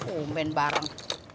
oh main bareng